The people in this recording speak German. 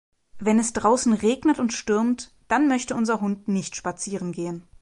Wenn es draußen regnet und stürmt, dann möchte unser Hund nicht spazieren gehen.